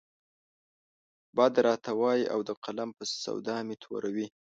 بد راته وايي او د قلم په سودا مې توره وي.